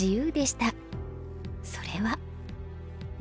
それは。